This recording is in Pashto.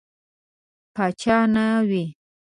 پاچا نه وي.